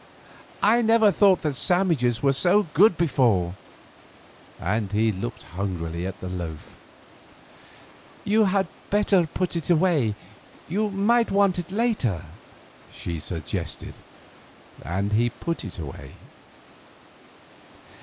I never thought that sandwiches were so good before;" and he looked hungrily at the loaf. "You had better put it away; you may want it later," she suggested. And he put it away.